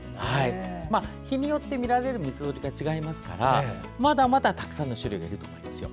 日によって見られる水鳥が違いますからまだまだたくさんの種類がいると思いますよ。